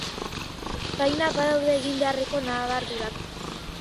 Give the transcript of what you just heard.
Baina badaude egin beharreko nabardurak.